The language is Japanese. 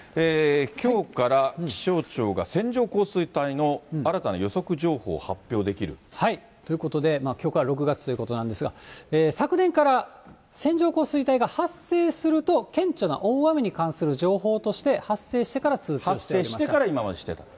きょうから気象庁が線状降水帯の新たな予測情報を発表できる。ということで、きょうから６月ということなんですが、昨年から、線状降水帯が発生すると、顕著な大雨に関する情報として、発生してから通知していました。